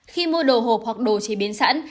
khi mua đồ hộp hoặc đồ chế biến sẵn